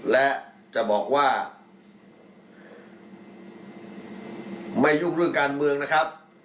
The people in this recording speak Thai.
และจะบอกว่าไม่ยุ่งเรื่องการเมืองนะครับ